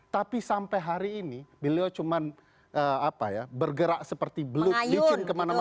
tapi sampai hari ini beliau cuma bergerak seperti beluk licin kemana mana